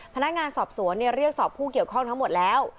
พนักงานสอบสวนเรียกสอบผู้เกี่ยวข้องทั้งหมดแล้ว